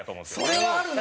それはあるな！